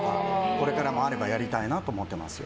これからもあればやりたいなと思ってますよ。